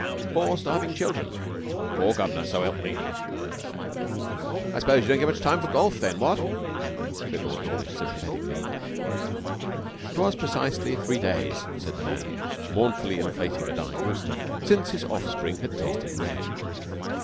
'Four starving children?' 'Four, guv'nor, so help me!' 'I suppose you don't get much time for golf then, what?' said Lord Dawlish, sympathetically. It was precisely three days, said the man, mournfully inflating a dying rooster, since his offspring had tasted bread.